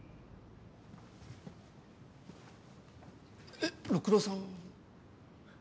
え六郎さん？